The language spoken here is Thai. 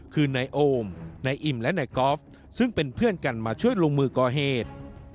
คือนายโอมนายอิ่มและนายกอล์ฟซึ่งเป็นเพื่อนกันมาช่วยลงมือก่อเหตุ